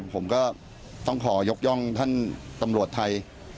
ผมก็ต้องขอยกย่องท่านตำรวจไทย